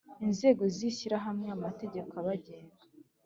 Inzego z ishyirahamwe amategeko abagenga.